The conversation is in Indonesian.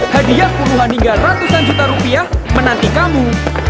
hadiah puluhan hingga ratusan juta rupiah menanti kamu